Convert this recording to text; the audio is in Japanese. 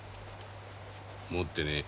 持ってねえ。